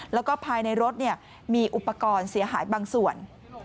แล้วก็ภายในรถมีอุปกรณ์เสียหายบางส่วน